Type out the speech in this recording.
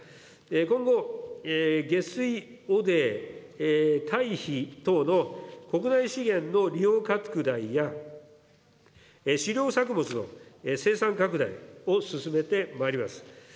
今後、下水、汚泥、たい肥等の国内資源の利用拡大や、飼料作物の生産拡大を進めてまいります。